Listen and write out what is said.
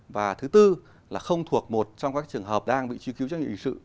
và thứ tư là không thuộc một trong các trường hợp đang bị truy cứu trong hình sự